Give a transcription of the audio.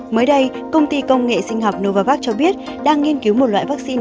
mới đây công ty công nghệ sinh học novavax cho biết đang nghiên cứu một loại vaccine